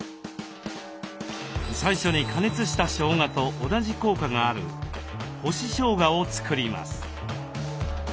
最初に加熱したしょうがと同じ効果がある干ししょうがを作ります。